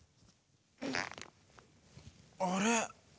あれ？